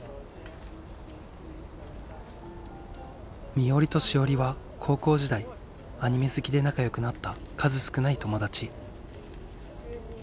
みおりとしおりは高校時代アニメ好きで仲よくなった数少ない友達。